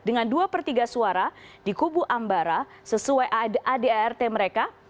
dengan dua per tiga suara di kubu ambara sesuai adart mereka